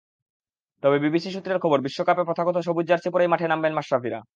তবে বিসিবিসূত্রের খবর, বিশ্বকাপে প্রথাগত সবুজ জার্সি পরেই মাঠে নামবেন মাশরাফিরা।